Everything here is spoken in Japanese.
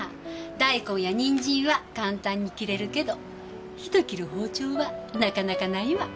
大根やニンジンは簡単に切れるけど人切る包丁はなかなかないわ。